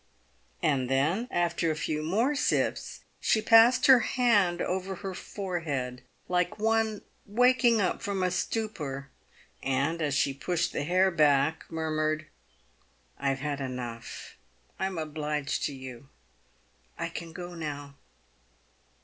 And then, after a few more sips, she passed her hand over her forehead like one waking up from stupor, and, as she pushed the hair back, murmured, " I've had enough, I'm obliged to you ; I can go now."